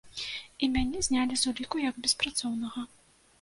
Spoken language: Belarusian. І мяне знялі з уліку як беспрацоўнага.